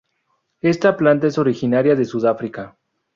Esta planta es originaria de Sudáfrica.